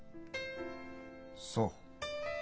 そう。